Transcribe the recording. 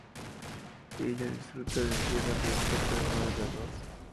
Ella disfruta de tierra fresca, pero no de la luz.